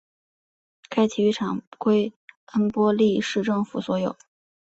该体育场归恩波利市政府所有。